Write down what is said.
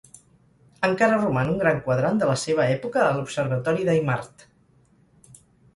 Encara roman un gran quadrant de la seva època a l'observatori d'Eimmart.